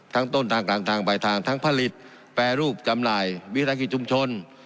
ทั้งต้นทางกลางทางใบทางทั้งผลิตแปรรูปกำไรวิทยาศาสตร์บุรัติชุมชน